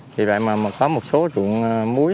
vì vậy mà có một số dụng muối